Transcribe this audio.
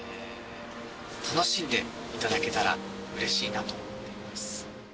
楽しんでいただけたら嬉しいなと思っています。